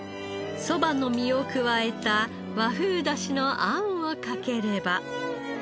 そばの実を加えた和風出汁の餡をかければ。